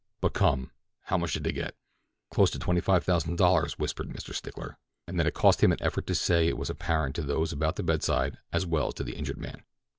"But come, how much did they get?" "Close to twenty five thousand dollars," whispered Mr. Stickler, and that it cost him an effort to say it was apparent to those about the bedside as well as to the injured man.